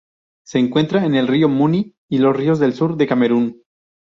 Se encuentra en Río Muni y los ríos del sur de Camerún.